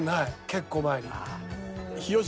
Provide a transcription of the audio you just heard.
結構前に。